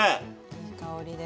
いい香りで。